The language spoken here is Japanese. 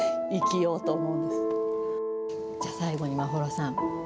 じゃあ最後に眞秀さん。